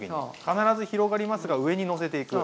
必ず広がりますが上にのせていく。